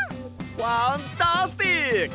ファンタスティック！